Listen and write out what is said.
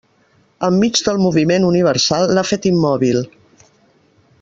Enmig del moviment universal, l'ha fet immòbil.